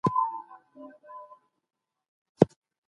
خلک به د بدن بدلونونه حس کوي.